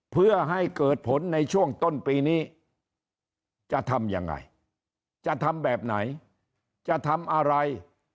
เพื่อให้เกิดผลในช่วงต้นปีนี้จะทำยังไงจะทำแบบไหนจะทำอะไร